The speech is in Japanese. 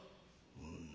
「うん。